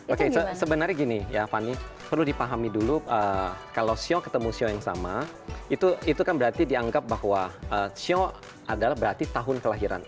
oke sebenarnya gini ya fani perlu dipahami dulu kalau sio ketemu sio yang sama itu kan berarti dianggap bahwa sio adalah berarti tahun kelahiran